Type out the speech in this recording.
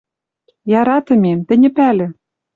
Яратымем, тӹньӹ пӓлӹ